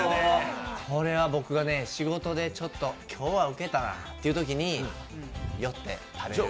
これは僕が仕事でちょっと今日はウケたなって時に寄って食べる。